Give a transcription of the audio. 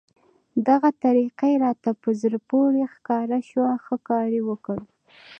دغه طریقه یې راته په زړه پورې ښکاره شوه، ښه کار یې وکړ.